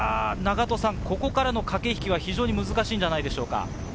ここからの駆け引きは難しいんじゃないですか？